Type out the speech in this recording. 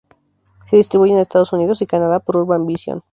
Se distribuye en Estados Unidos y Canadá por Urban Vision.